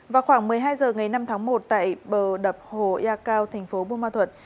vào khoảng một mươi hai h ngày năm tháng một tại bờ đập hồ yà cao tp buôn ma thuật